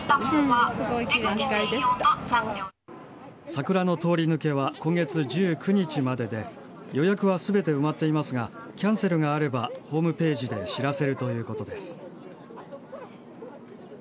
桜の通り抜けは今月１９日までで予約は全て埋まっていますがキャンセルがあればホームページで知らせるということです。